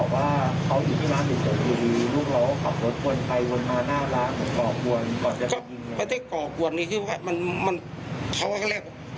พ่อติดใจไหมที่ทางนู้นเขาบอกว่า